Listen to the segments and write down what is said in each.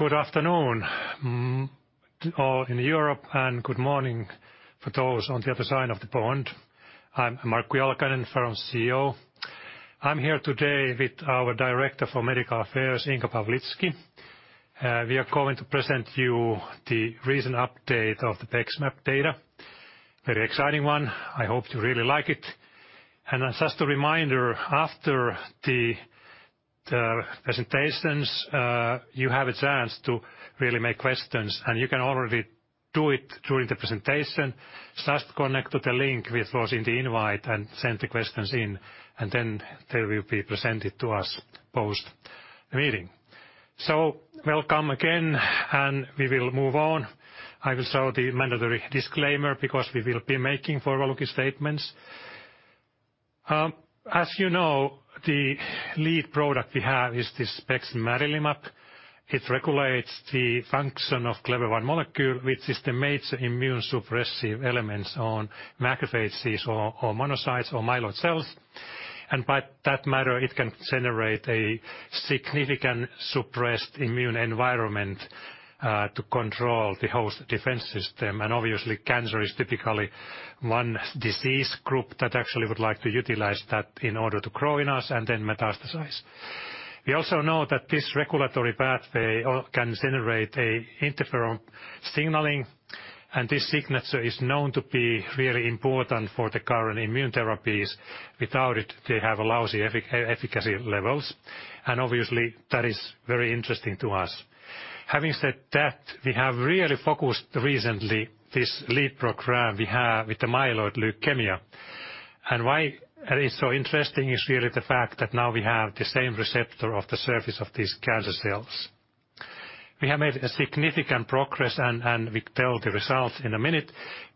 Good afternoon, all in Europe, and good morning for those on the other side of the pond. I'm Markku Jalkanen, founder and CEO. I'm here today with our director for medical affairs, Inka Pawlicki. We are going to present you the recent update of the BEXMAB data. Very exciting one. I hope you really like it. And as just a reminder, after the presentations, you have a chance to really make questions, and you can already do it during the presentation. Just connect to the link, which was in the invite, and send the questions in, and then they will be presented to us post-meeting. So welcome again, and we will move on. I will show the mandatory disclaimer because we will be making forward-looking statements. As you know, the lead product we have is this bexmarilimab. It regulates the function of Clever-1 molecule, which is the major immune suppressive elements on macrophages or, or monocytes or myeloid cells. By that matter, it can generate a significant suppressed immune environment to control the host defense system. Obviously, cancer is typically one disease group that actually would like to utilize that in order to grow in us and then metastasize. We also know that this regulatory pathway can generate a interferon signaling, and this signature is known to be really important for the current immune therapies. Without it, they have lousy effi-e-efficacy levels, and obviously, that is very interesting to us. Having said that, we have really focused recently, this lead program we have with the myeloid leukemia. Why it is so interesting is really the fact that now we have the same receptor of the surface of these cancer cells. We have made significant progress, and we tell the results in a minute,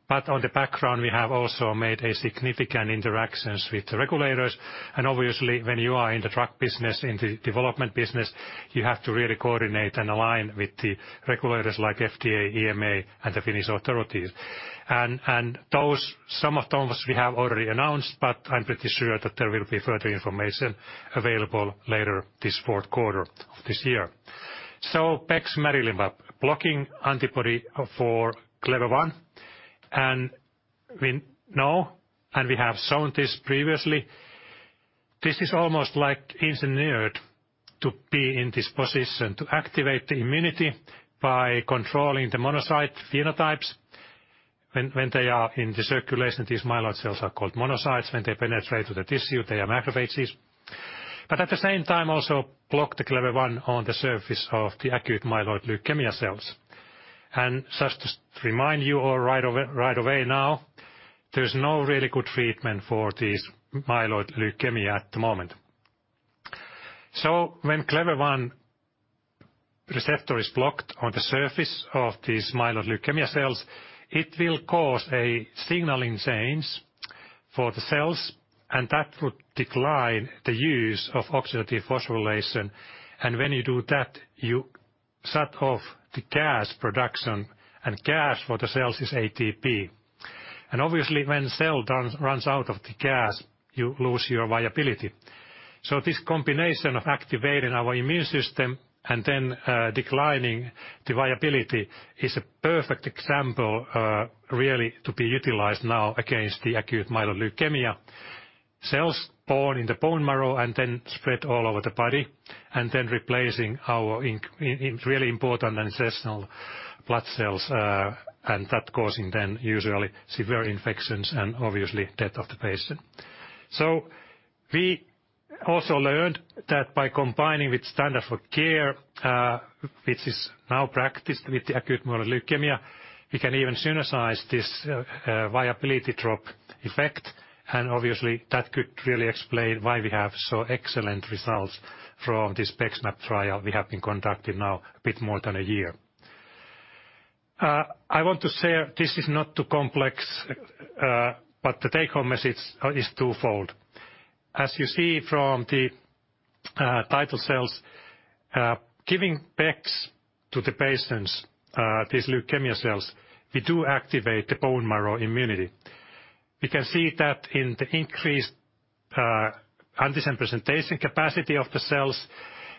but on the background, we have also made significant interactions with the regulators. And obviously, when you are in the drug business, in the development business, you have to really coordinate and align with the regulators like FDA, EMA, and the Finnish authorities. And those, some of those we have already announced, but I'm pretty sure that there will be further information available later this fourth quarter of this year. So bexmarilimab, blocking antibody for Clever-1, and we know, and we have shown this previously, this is almost like engineered to be in this position, to activate the immunity by controlling the monocyte phenotypes. When they are in the circulation, these myeloid cells are called monocytes. When they penetrate to the tissue, they are macrophages, but at the same time, also block the Clever-1 on the surface of the acute myeloid leukemia cells. Just to remind you all right away, right away now, there's no really good treatment for this myeloid leukemia at the moment. When Clever-1 receptor is blocked on the surface of these myeloid leukemia cells, it will cause a signaling change for the cells, and that would decline the use of oxidative phosphorylation. When you do that, you shut off the gas production, and gas for the cells is ATP. Obviously, when cell runs, runs out of the gas, you lose your viability. So this combination of activating our immune system and then, declining the viability is a perfect example, really, to be utilized now against the acute myeloid leukemia cells born in the bone marrow and then spread all over the body, and then replacing our really important ancestral blood cells, and that causing then usually severe infections and obviously death of the patient. So we also learned that by combining with standard of care, which is now practiced with the acute myeloid leukemia, we can even synergize this, viability drop effect. And obviously, that could really explain why we have so excellent results from this BEXMAB trial we have been conducting now a bit more than a year. I want to say this is not too complex, but the take-home message is twofold. As you see from the uncertain, giving Bex to the patients, these leukemia cells, we do activate the bone marrow immunity. We can see that in the increased antigen presentation capacity of the cells,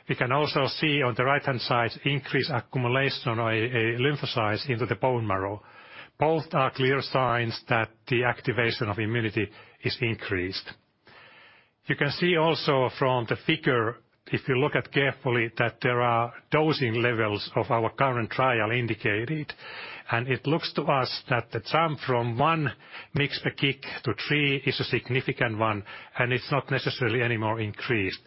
we can also see on the right-hand side, increased accumulation or a lymphocyte into the bone marrow. Both are clear signs that the activation of immunity is increased. You can see also from the figure, if you look at carefully, that there are dosing levels of our current trial indicated, and it looks to us that the jump from 1 mg per kg to 3 is a significant one, and it's not necessarily any more increased.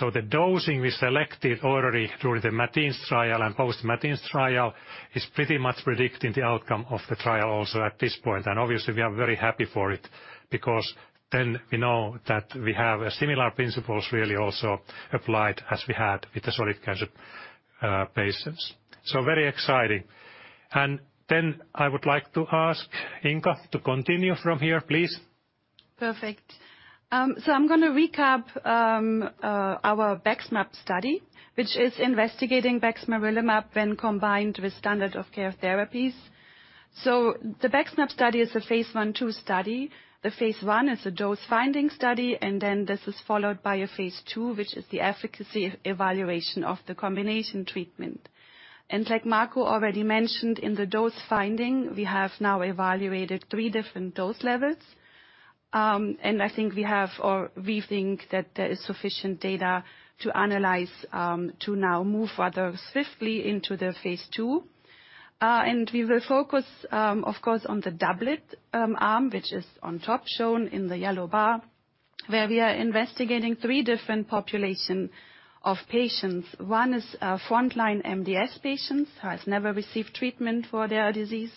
The dosing we selected already during the MATINS trial and post-MATINS trial is pretty much predicting the outcome of the trial also at this point. Obviously, we are very happy for it because then we know that we have a similar principles really also applied as we had with the solid cancer patients. Very exciting. Then I would like to ask Inka to continue from here, please. Perfect. So I'm gonna recap, our BEXMAB study, which is investigating bexmarilimab when combined with standard of care therapies....So the BEXMAB study is a phase I/II study. The phase I is a dose-finding study, and then this is followed by a phase II, which is the efficacy evaluation of the combination treatment. And like Markku already mentioned, in the dose-finding, we have now evaluated 3 different dose levels. And I think we have, or we think that there is sufficient data to analyze, to now move rather swiftly into the phase II. And we will focus, of course, on the doublet arm, which is on top, shown in the yellow bar, where we are investigating 3 different population of patients. One is, frontline MDS patients, who has never received treatment for their disease.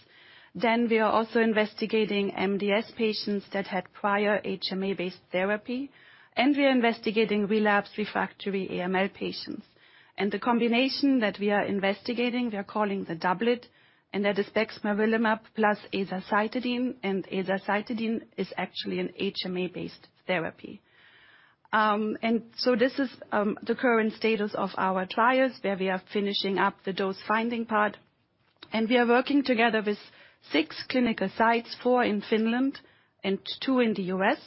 Then we are also investigating MDS patients that had prior HMA-based therapy, and we are investigating relapsed-refractory AML patients. The combination that we are investigating, we are calling the doublet, and that is Bexmarilimab plus azacitidine, and azacitidine is actually an HMA-based therapy. So this is the current status of our trials, where we are finishing up the dose-finding part. We are working together with six clinical sites, four in Finland and two in the U.S.,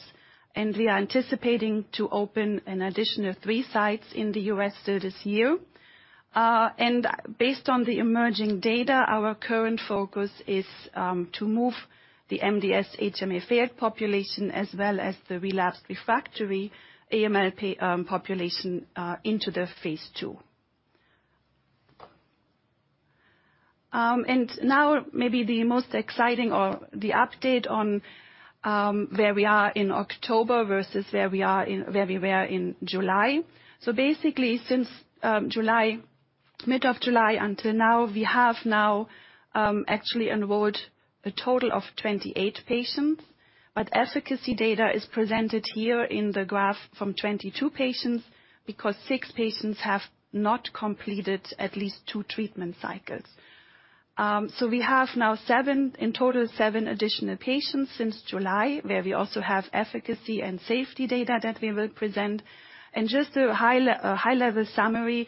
and we are anticipating to open an additional three sites in the U.S. still this year. Based on the emerging data, our current focus is to move the MDS HMA failed population as well as the relapsed refractory AML population into the phase II. Maybe the most exciting or the update on where we are in October versus where we were in July. Basically, since July, mid of July until now, we have actually enrolled a total of 28 patients, but efficacy data is presented here in the graph from 22 patients, because 6 patients have not completed at least two treatment cycles. We have now, in total, 7 additional patients since July, where we also have efficacy and safety data that we will present. Just a high-level summary,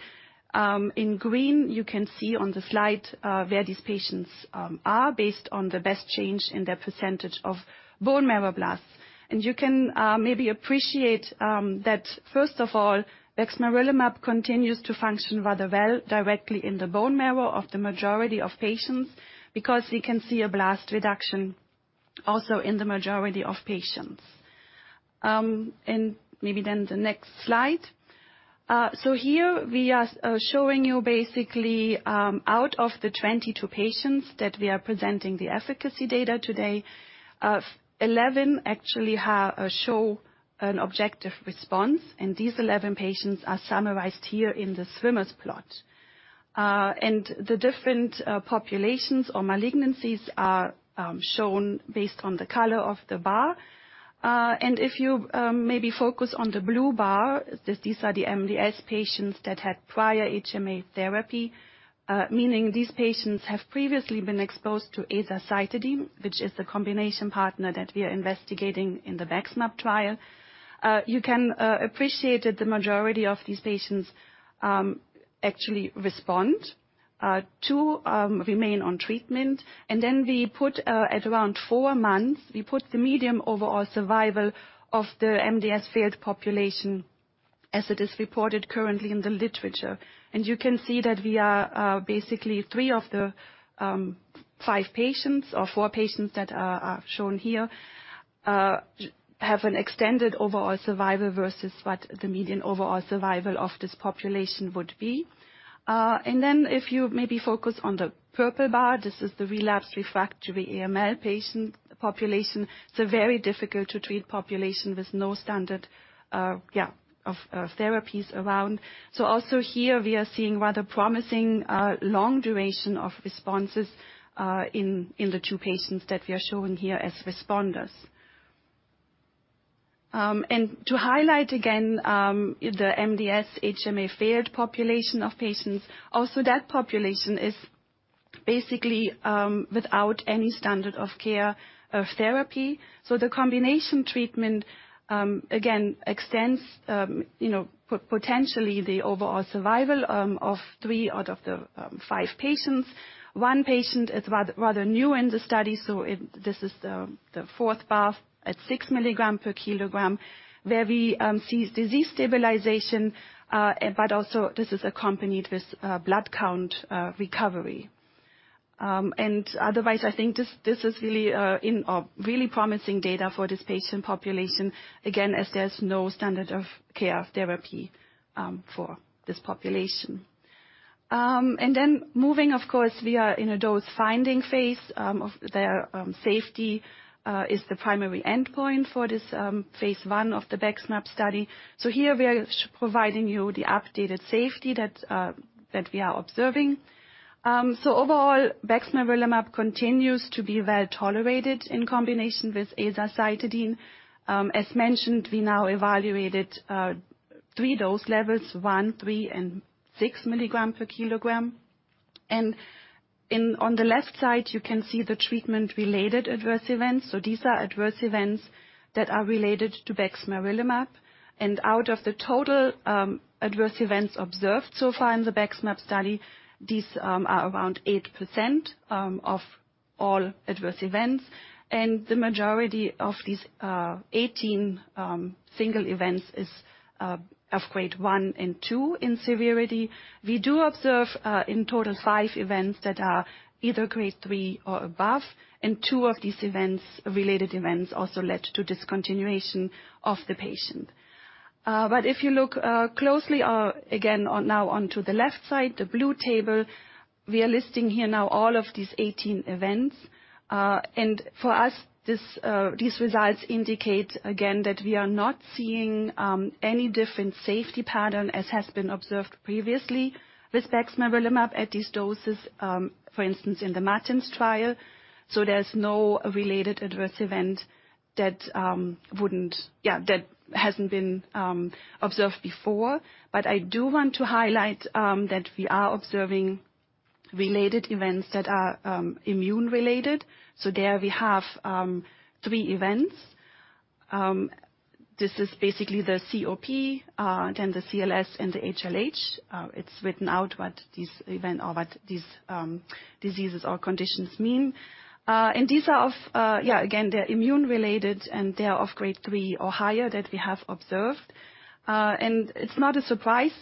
in green, you can see on the slide where these patients are based on the best change in their percentage of bone marrow blasts. You can maybe appreciate that, first of all, bexmarilimab continues to function rather well directly in the bone marrow of the majority of patients, because we can see a blast reduction also in the majority of patients. Maybe the next slide. Here we are showing you basically, out of the 22 patients that we are presenting the efficacy data today, 11 actually show an objective response, and these 11 patients are summarized here in the Swimmers plot. The different populations or malignancies are shown based on the color of the bar. If you maybe focus on the blue bar, these are the MDS patients that had prior HMA therapy, meaning these patients have previously been exposed to azacitidine, which is a combination partner that we are investigating in the BEXMAB trial. You can appreciate that the majority of these patients actually respond to remain on treatment. We put at around four months the median overall survival of the MDS failed population as it is reported currently in the literature. You can see that we are basically three of the five patients or four patients that are shown here have an extended overall survival versus what the median overall survival of this population would be. And then if you maybe focus on the purple bar, this is the relapsed refractory AML patient population. It's a very difficult to treat population with no standard therapies around. So also here, we are seeing rather promising long duration of responses in the two patients that we are showing here as responders. And to highlight again, the MDS HMA failed population of patients. Also, that population is basically without any standard of care of therapy. So the combination treatment again extends, you know, potentially the overall survival of three out of the five patients. One patient is rather, rather new in the study, so it-- this is the, the fourth patient at 6 mg per kg, where we see disease stabilization, but also this is accompanied with blood count recovery. Otherwise, I think this is really, in a really promising data for this patient population. Again, as there's no standard of care of therapy for this population. Then moving, of course, we are in a dose-finding phase of the safety, is the primary endpoint for this phase I of the BEXMAB study. Here we are providing you the updated safety that we are observing. Overall, bexmarilimab continues to be well-tolerated in combination with azacitidine. As mentioned, we now evaluated three dose levels, 1, 3, and 6 mg per kg. On the left side, you can see the treatment-related adverse events. These are adverse events that are related to bexmarilimab, and out of the total adverse events observed so far in the BEXMAB study, these are around 8% of all adverse events, and the majority of these 18 single events is of grade one and two in severity. We do observe, in total, 5 events that are either grade three or above, and two of these related events also led to discontinuation of the patient. If you look closely, again, now on the left side, the blue table, we are listing here now all of these 18 events. And for us, these results indicate, again, that we are not seeing any different safety pattern as has been observed previously with bexmarilimab at these doses, for instance, in the MATINS trial. So there's no related adverse event that hasn't been observed before. But I do want to highlight that we are observing related events that are immune-related. So there we have three events. This is basically the COP, then the CLS and the HLH. It's written out what this event or what these diseases or conditions mean. And these are of, again, they're immune-related, and they are of grade three or higher that we have observed. And it's not a surprise,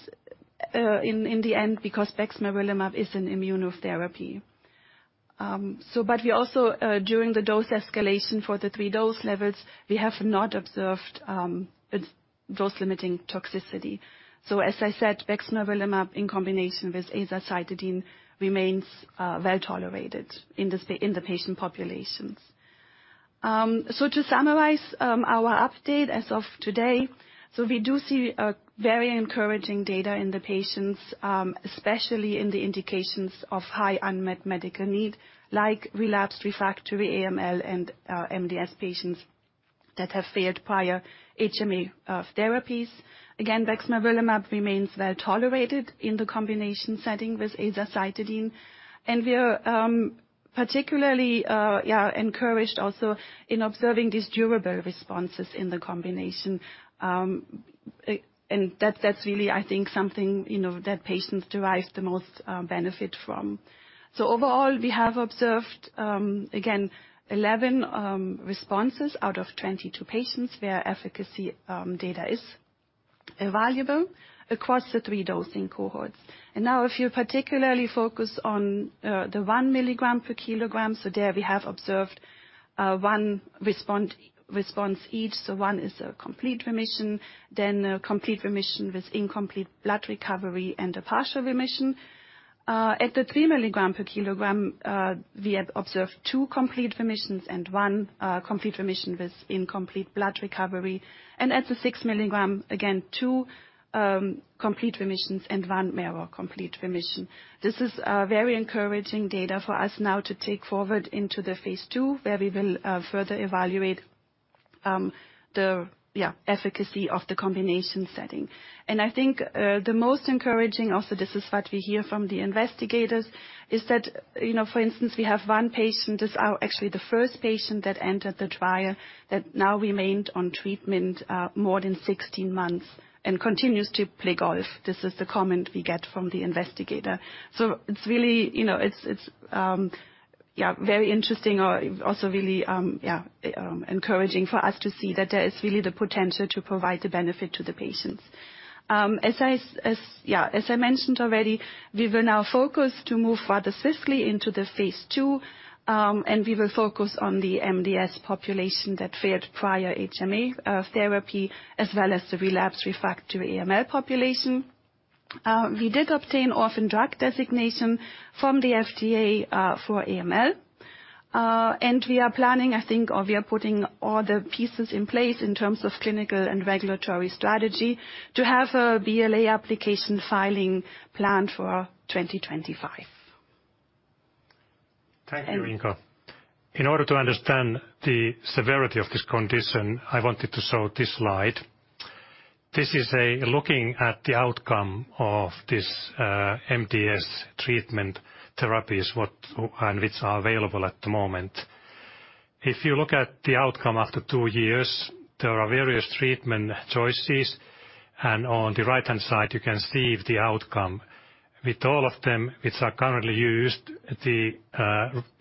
in the end, because bexmarilimab is an immunotherapy. So, we also, during the dose escalation for the three dose levels, have not observed a dose-limiting toxicity. As I said, bexmarilimab in combination with azacitidine remains well tolerated in the patient populations. To summarize our update as of today, we do see very encouraging data in the patients, especially in the indications of high unmet medical need, like relapsed refractory AML and MDS patients that have failed prior HMA therapies. Again, bexmarilimab remains well tolerated in the combination setting with azacitidine, and we are particularly, yeah, encouraged also in observing these durable responses in the combination. A- and that's really, I think, something, you know, that patients derive the most benefit from. Overall, we have observed 11 responses out of 22 patients where efficacy data is available across the three dosing cohorts. If you particularly focus on the 1 milligram per kilogram, there we have observed one response each: one is a complete remission, then a complete remission with incomplete blood recovery, and a partial remission. At the 3 milligram per kilogram, we have observed two complete remissions and one complete remission with incomplete blood recovery. At the 6 milligram, again, two complete remissions and one marrow complete remission. This is very encouraging data for us now to take forward into the phase two, where we will further evaluate the efficacy of the combination setting. I think, the most encouraging also, this is what we hear from the investigators, is that, you know, for instance, we have one patient, actually the first patient that entered the trial, that now remained on treatment, more than 16 months and continues to play golf. This is the comment we get from the investigator. So it's really, you know, it's, it's, yeah, very interesting, also really, yeah, encouraging for us to see that there is really the potential to provide the benefit to the patients. Yeah, as I mentioned already, we will now focus to move further swiftly into the phase two, and we will focus on the MDS population that failed prior HMA therapy, as well as the relapsed refractory AML population. We did obtain orphan drug designation from the FDA for AML. We are planning, I think, or we are putting all the pieces in place in terms of clinical and regulatory strategy to have a BLA application filing planned for 2025. Thank you, Inka. In order to understand the severity of this condition, I wanted to show this slide. This is looking at the outcome of this MDS treatment therapies, what, and which are available at the moment. If you look at the outcome after two years, there are various treatment choices, and on the right-hand side, you can see the outcome. With all of them, which are currently used, the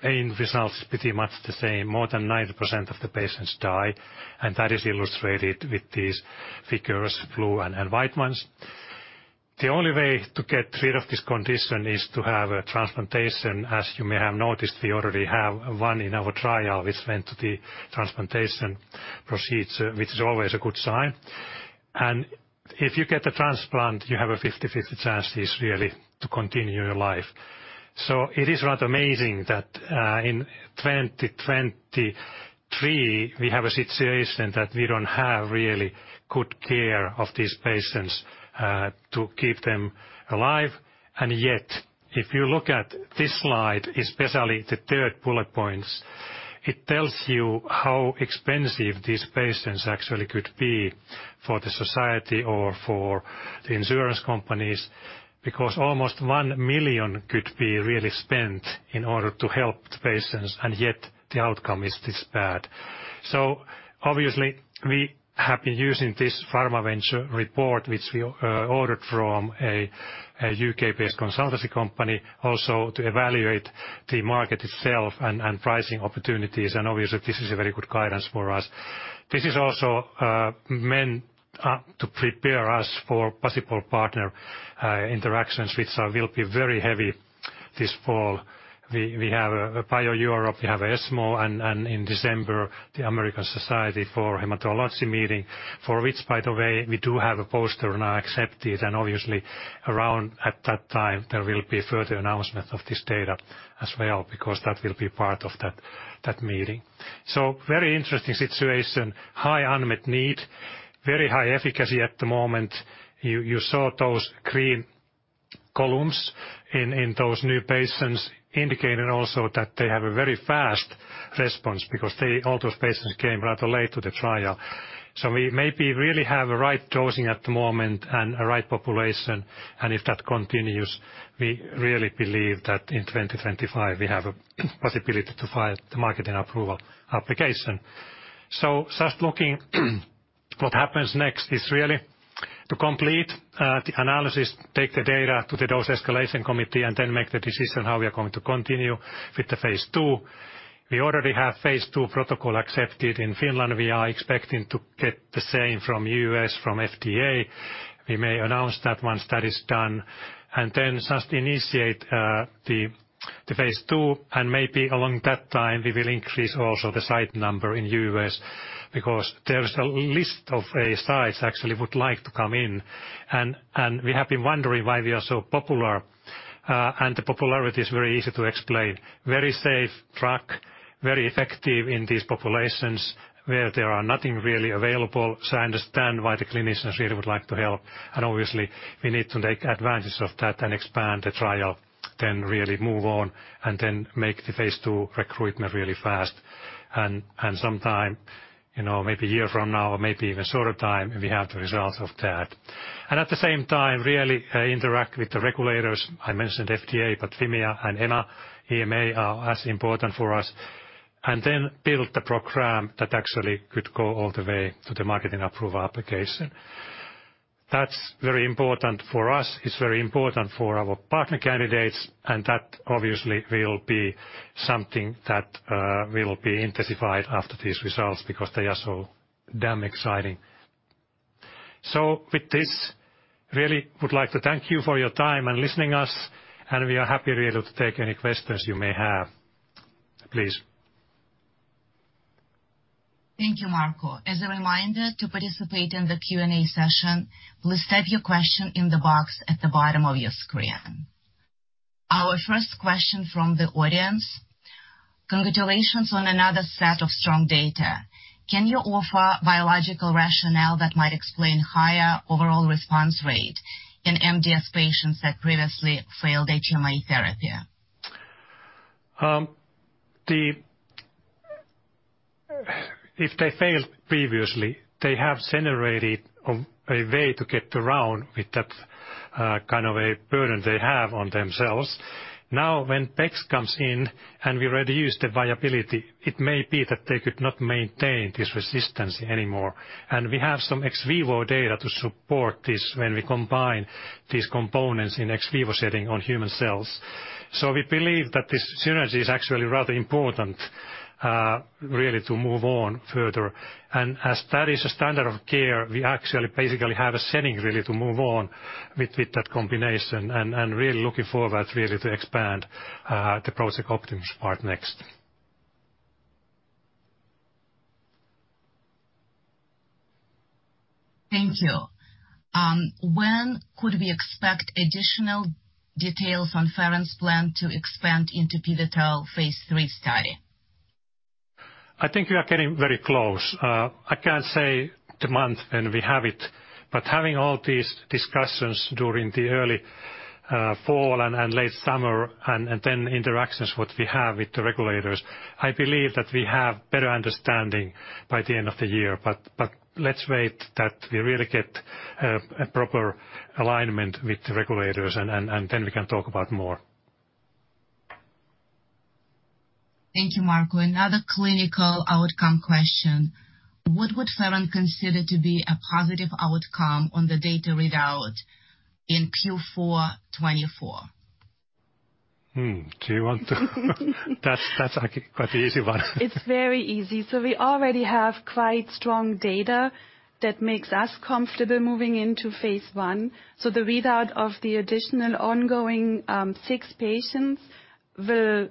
end result is pretty much the same. More than 90% of the patients die, and that is illustrated with these figures, blue and white ones. The only way to get rid of this condition is to have a transplantation. As you may have noticed, we already have one in our trial, which went to the transplantation procedure, which is always a good sign. If you get a transplant, you have a 50/50 chance, is really, to continue your life. It is rather amazing that, in 2023, we have a situation that we don't have really good care of these patients, to keep them alive. Yet, if you look at this slide, especially the third bullet points, it tells you how expensive these patients actually could be for the society or for the insurance companies, because almost $1 million could be really spent in order to help the patients, and yet the outcome is this bad.... Obviously, we have been using this pharma venture report, which we ordered from a U.K.-based consultancy company, also to evaluate the market itself and pricing opportunities, and obviously, this is a very good guidance for us. This is also meant to prepare us for possible partner interactions, which will be very heavy this fall. We have Bio-Europe, we have ESMO, and in December, the American Society of Hematology meeting, for which, by the way, we do have a poster now accepted, and obviously, around at that time, there will be further announcement of this data as well, because that will be part of that meeting. So very interesting situation, high unmet need, very high efficacy at the moment. You saw those green columns in those new patients, indicating also that they have a very fast response because all those patients came rather late to the trial. We maybe really have a right dosing at the moment and a right population, and if that continues, we really believe that in 2025, we have a possibility to file the marketing approval application. Just looking, what happens next is really to complete the analysis, take the data to the dose escalation committee, and then make the decision how we are going to continue with the phase two. We already have phase two protocol accepted in Finland. We are expecting to get the same from the U.S., from FDA. We may announce that once that is done, and then just initiate the phase two, and maybe along that time, we will increase also the site number in the U.S., because there is a list of sites actually would like to come in. We have been wondering why we are so popular, and the popularity is very easy to explain, very safe track, very effective in these populations where there are nothing really available, so I understand why the clinicians really would like to help. And obviously, we need to take advantage of that and expand the trial, then really move on, and then make the phase 2 recruitment really fast. And sometime, you know, maybe a year from now, or maybe even shorter time, we have the results of that. And at the same time, interact with the regulators. I mentioned FDA, but Fimea and EMA, EMA are as important for us, and then build the program that actually could go all the way to the marketing approval application. That's very important for us, it's very important for our partner candidates, and that obviously will be something that, will be intensified after these results because they are so damn exciting. So with this, really would like to thank you for your time and listening us, and we are happy to be able to take any questions you may have. Please. Thank you, Marco. As a reminder, to participate in the Q&A session, please type your question in the box at the bottom of your screen. Our first question from the audience: Congratulations on another set of strong data. Can you offer biological rationale that might explain higher overall response rate in MDS patients that previously failed HMA therapy? If they failed previously, they have generated a way to get around with that kind of a burden they have on themselves. Now, when Bex comes in and we reduce the viability, it may be that they could not maintain this resistance anymore. And we have some ex vivo data to support this when we combine these components in ex vivo setting on human cells. So we believe that this synergy is actually rather important, really, to move on further. And as that is a standard of care, we actually basically have a setting really to move on with that combination, and really looking forward really to expand the process optimization part next. Thank you. When could we expect additional details on Faron's plan to expand into pivotal phase 3 study? I think we are getting very close. I can't say the month when we have it, but having all these discussions during the early fall and late summer, and then interactions what we have with the regulators, I believe that we have better understanding by the end of the year. But let's wait that we really get a proper alignment with the regulators, and then we can talk about more. Thank you, Marco. Another clinical outcome question: What would Faron consider to be a positive outcome on the data readout in Q4 2024? That's, that's actually quite an easy one. It's very easy. So we already have quite strong data that makes us comfortable moving into phase 1. So the readout of the additional ongoing 6 patients will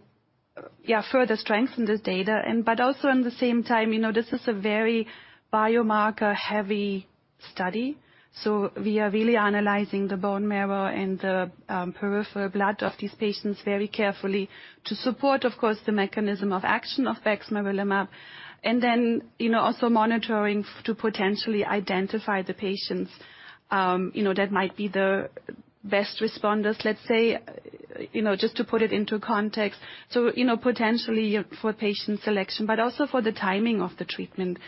further strengthen this data. But also, in the same time, you know, this is a very biomarker-heavy study, so we are really analyzing the bone marrow and the peripheral blood of these patients very carefully to support, of course, the mechanism of action of bexmarilimab, and then, you know, also monitoring to potentially identify the patients, you know, that might be the best responders, let's say, you know, just to put it into context. So, you know, potentially for patient selection, but also for the timing of the treatment.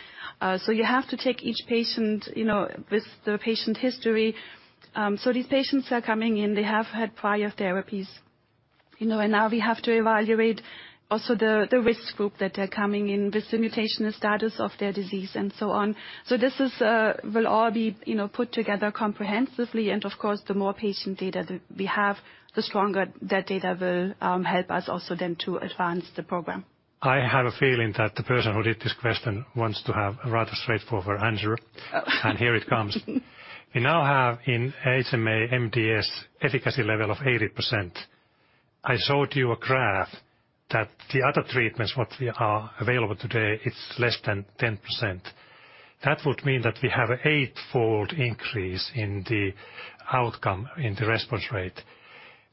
So you have to take each patient, you know, with the patient history. So these patients are coming in, they have had prior therapies.... You know, and now we have to evaluate also the risk group that are coming in with the mutational status of their disease and so on. So this will all be, you know, put together comprehensively, and of course, the more patient data that we have, the stronger that data will help us also then to advance the program. I have a feeling that the person who did this question wants to have a rather straightforward answer. Oh. And here it comes. We now have in HMA MDS efficacy level of 80%. I showed you a graph that the other treatments, what we are available today, it's less than 10%. That would mean that we have an eightfold increase in the outcome, in the response rate.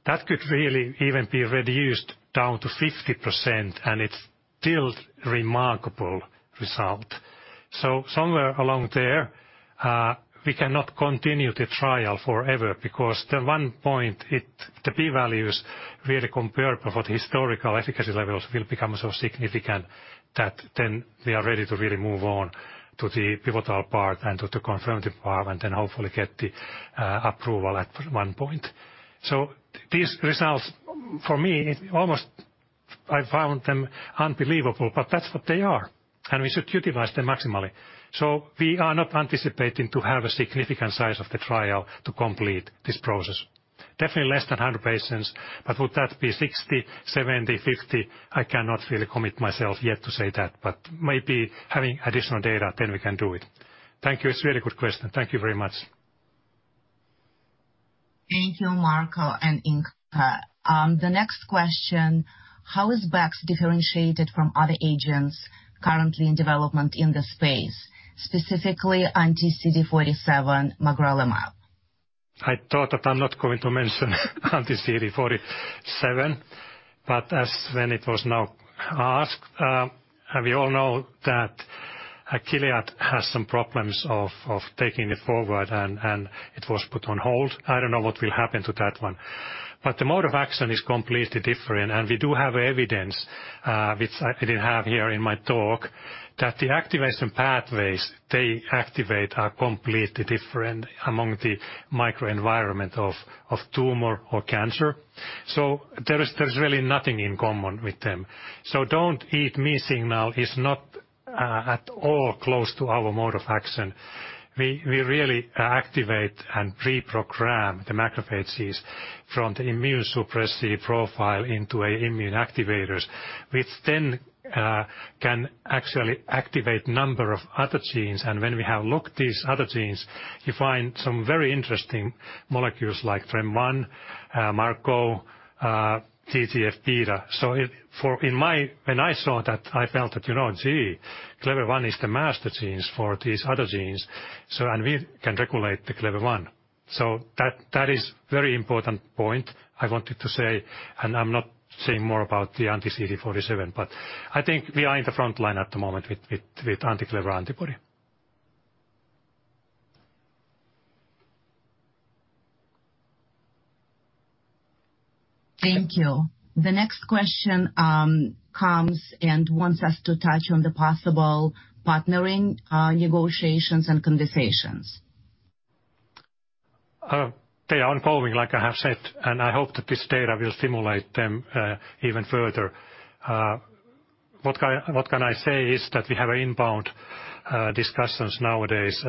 That could really even be reduced down to 50%, and it's still remarkable result. So somewhere along there, we cannot continue the trial forever because at one point it, the P values really comparable for the historical efficacy levels will become so significant that then we are ready to really move on to the pivotal part and to the confirmatory part, and then hopefully get the approval at one point. So these results, for me, almost I found them unbelievable, but that's what they are, and we should utilize them maximally. So we are not anticipating to have a significant size of the trial to complete this process. Definitely less than 100 patients, but would that be 60, 70, 50? I cannot really commit myself yet to say that, but maybe having additional data, then we can do it. Thank you. It's a very good question. Thank you very much. Thank you, Marco and Inka. The next question: How is Bex differentiated from other agents currently in development in the space, specifically anti-CD47 magrolimab? I thought that I'm not going to mention anti-CD47, but as when it was now asked, and we all know that magrolimab has some problems of taking it forward and it was put on hold. I don't know what will happen to that one. But the mode of action is completely different, and we do have evidence, which I didn't have here in my talk, that the activation pathways they activate are completely different among the microenvironment of tumor or cancer. So there is, there's really nothing in common with them. So don't eat me signal is not at all close to our mode of action. We really activate and reprogram the macrophages from the immune suppressive profile into immune activators, which then can actually activate number of other genes. When we have looked these other genes, you find some very interesting molecules like TREM-1, MARCO, TGF-beta. So, when I saw that, I felt that, you know, gee, CLEVER-1 is the master genes for these other genes, so, and we can regulate the CLEVER-1. So that, that is very important point I wanted to say, and I'm not saying more about the anti-CD47, but I think we are in the front line at the moment with, with, with anti-CLEVER antibody. Thank you. The next question comes and wants us to touch on the possible partnering negotiations and conversations. They are ongoing, like I have said, and I hope that this data will stimulate them, even further. What I can say is that we have inbound discussions nowadays,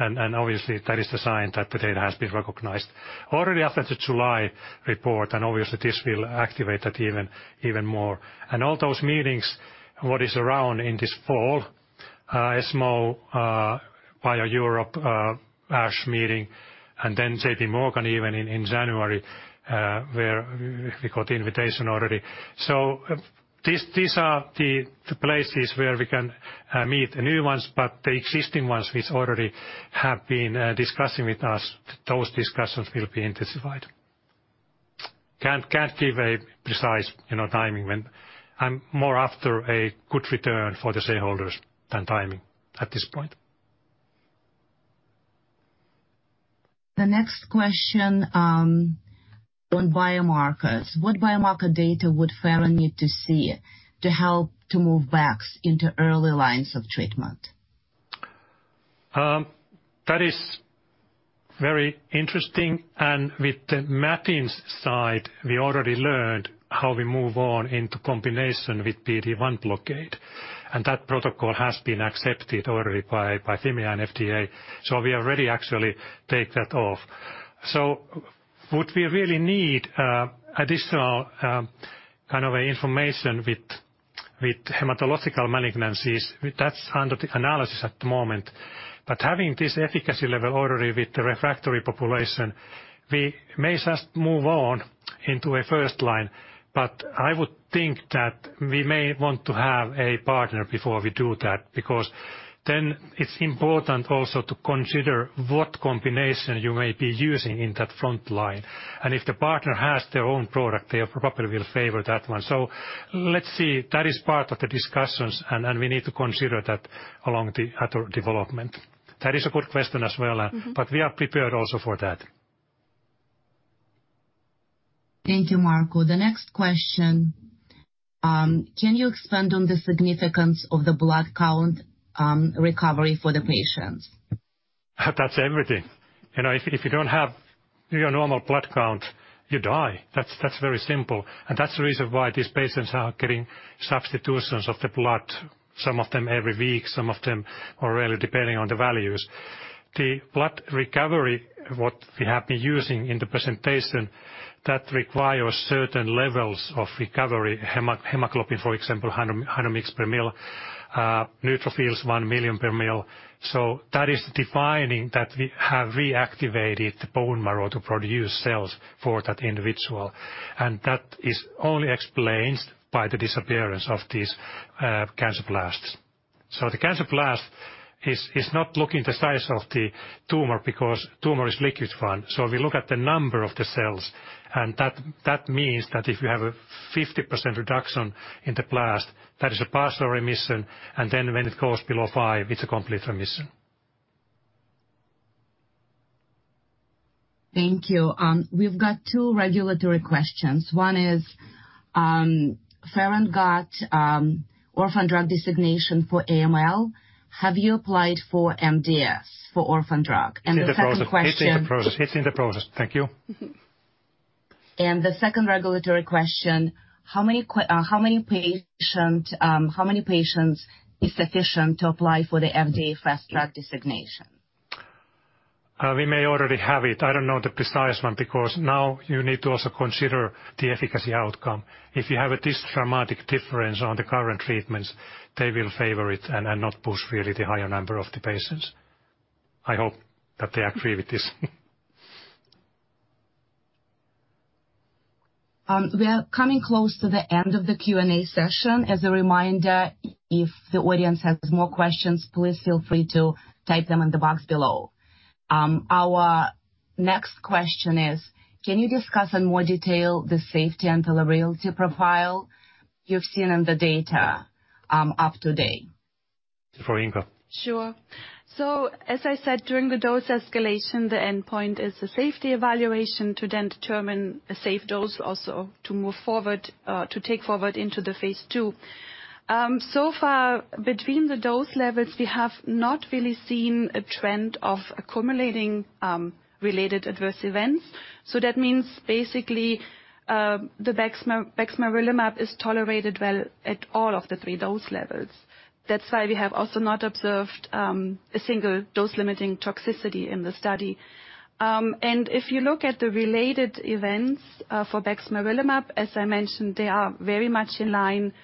and obviously that is the sign that the data has been recognized. Already after the July report, and obviously this will activate that even, even more. All those meetings, what is around in this fall, a small Bio-Europe, ASH meeting, and then J.P. Morgan, even in January, where we got the invitation already. These are the places where we can meet the new ones, but the existing ones which already have been discussing with us, those discussions will be intensified. Can't give a precise, you know, timing when... I'm more after a good return for the shareholders than timing at this point. The next question, on biomarkers. What biomarker data would Faron need to see to help to move BEXMAB into early lines of treatment? That is very interesting, and with the MDS side, we already learned how we move on into combination with PD-1 blockade, and that protocol has been accepted already by, by Fimea and FDA, so we are ready actually, take that off. So would we really need additional kind of information with hematological malignancies? That's under the analysis at the moment. But having this efficacy level already with the refractory population, we may just move on into a first line. But I would think that we may want to have a partner before we do that, because then it's important also to consider what combination you may be using in that front line. And if the partner has their own product, they probably will favor that one. So let's see. That is part of the discussions, and we need to consider that along the other development. That is a good question as well, but we are prepared also for that. Thank you, Marco. The next question: can you expand on the significance of the blood count recovery for the patients? That's everything. You know, if you don't have your normal blood count, you die. That's very simple, and that's the reason why these patients are getting substitutions of the blood, some of them every week, some of them are rarely, depending on the values. The blood recovery, what we have been using in the presentation, that requires certain levels of recovery. Hemoglobin, for example, 100 mg per ml, neutrophils, 1 million per ml. So that is defining that we have reactivated the bone marrow to produce cells for that individual, and that is only explained by the disappearance of these cancer blasts. So the cancer blast is not looking the size of the tumor because tumor is liquid one, so we look at the number of the cells, and that means that if you have a 50% reduction in the blast, that is a partial remission, and then when it goes below 5, it's a complete remission. Thank you. We've got two regulatory questions. One is, Faron got orphan drug designation for AML. Have you applied for MDS for orphan drug? And the second question- It's in the process. It's in the process. Thank you. The second regulatory question: how many patient, how many patients is sufficient to apply for the FDA fast track designation? We may already have it. I don't know the precise one, because now you need to also consider the efficacy outcome. If you have a this dramatic difference on the current treatments, they will favor it and not push really the higher number of the patients. I hope that they agree with this. We are coming close to the end of the Q&A session. As a reminder, if the audience has more questions, please feel free to type them in the box below. Our next question is: Can you discuss in more detail the safety and tolerability profile you've seen in the data up to date? For Inka. Sure. As I said, during the dose escalation, the endpoint is a safety evaluation to then determine a safe dose, also to move forward to take forward into the phase two. So far, between the dose levels, we have not really seen a trend of accumulating related adverse events. That means basically, the bexmarilimab is tolerated well at all of the three dose levels. That's why we have also not observed a single dose-limiting toxicity in the study. If you look at the related events for bexmarilimab, as I mentioned, they are very much in line with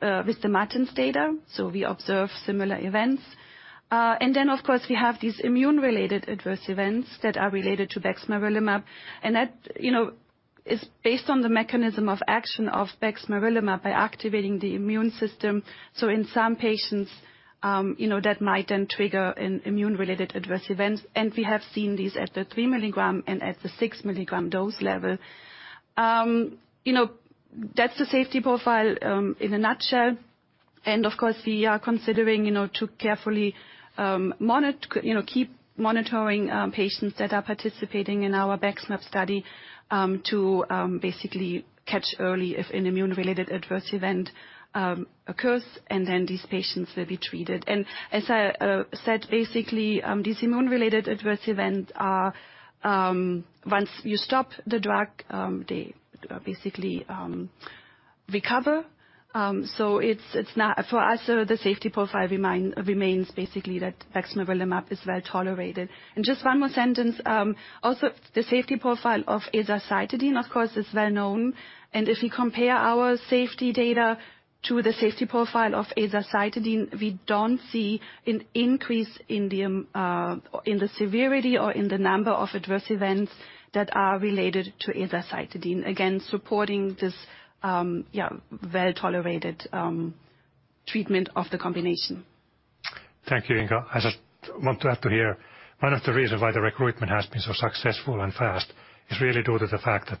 the MATINS data, so we observe similar events. And then, of course, we have these immune-related adverse events that are related to bexmarilimab, and that, you know, is based on the mechanism of action of bexmarilimab by activating the immune system. In some patients, you know, that might then trigger an immune-related adverse events, and we have seen these at the 3 milligram and at the 6 milligram dose level. You know, that's the safety profile, you know, in a nutshell. Of course, we are considering, you know, to carefully, you know, keep monitoring, patients that are participating in our BEXMAB study, you know, to, basically catch early if an immune-related adverse event occurs, and then these patients will be treated. As I said, basically, these immune-related adverse events are, once you stop the drug, they basically recover. So it's, it's not... For us, so the safety profile remains basically that bexmarilimab is well tolerated. And just one more sentence, also, the safety profile of azacitidine, of course, is well known, and if you compare our safety data to the safety profile of azacitidine, we don't see an increase in the, in the severity or in the number of adverse events that are related to azacitidine. Again, supporting this, well-tolerated treatment of the combination. Thank you, Inka. I just want to add to here. One of the reasons why the recruitment has been so successful and fast is really due to the fact that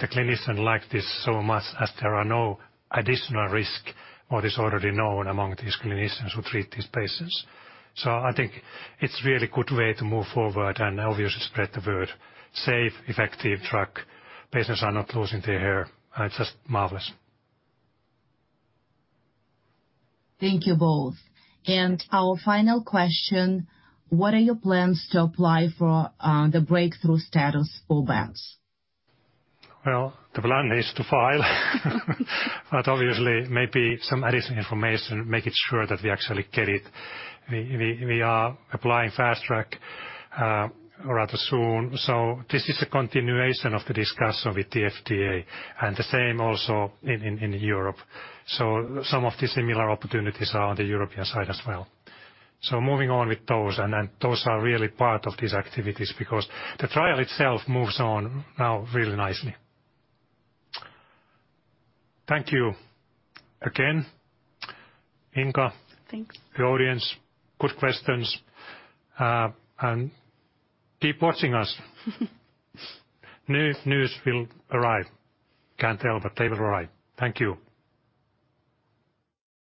the clinician liked this so much, as there are no additional risk or is already known among these clinicians who treat these patients. So I think it's really good way to move forward and obviously spread the word. Safe, effective drug, patients are not losing their hair. It's just marvelous. Thank you both. Our final question: what are your plans to apply for the breakthrough status for bex? Well, the plan is to file. But obviously, maybe some additional information, making sure that we actually get it. We are applying fast track rather soon. So this is a continuation of the discussion with the FDA and the same also in Europe. So some of the similar opportunities are on the European side as well. So moving on with those, and then those are really part of these activities because the trial itself moves on now really nicely. Thank you again, Inka. Thanks. The audience, good questions. Keep watching us. New news will arrive. Can't tell, but they will arrive. Thank you.